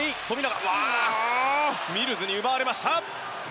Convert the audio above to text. ミルズに奪われました！